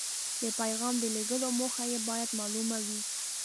د پیغام د لیږلو موخه یې باید مالومه وي.